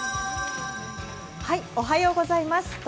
おはようございます。